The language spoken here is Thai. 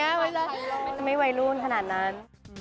ไม่ใช่ไม่ไวรุ้นขนาดนั้น